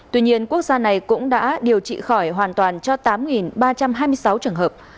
tuy nhiên quốc gia này cũng đã điều trị khỏi hoàn toàn cho tám ba trăm hai mươi sáu trường hợp